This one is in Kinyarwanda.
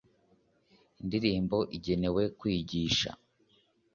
indirimbo igenewe kwigisha